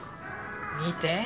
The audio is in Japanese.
見て。